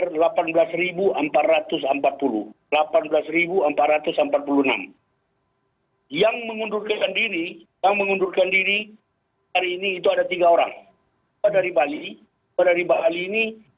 hai yang mengundurkan diri yang mengundurkan diri hari ini itu ada tiga orang dari bali dari bali ini